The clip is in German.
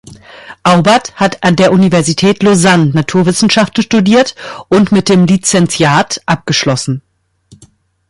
Aubert hat an der Universität Lausanne Naturwissenschaften studiert und mit dem Lizentiat abgeschlossen.